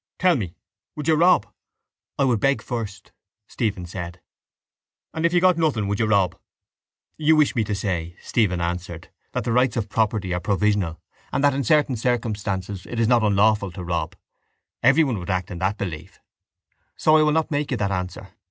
Tell me would you rob? —I would beg first, Stephen said. —And if you got nothing, would you rob? —You wish me to say, Stephen answered, that the rights of property are provisional, and that in certain circumstances it is not unlawful to rob. Everyone would act in that belief. So I will not make you that answer.